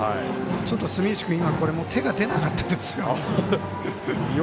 ちょっと住石君手が出なかったですよ。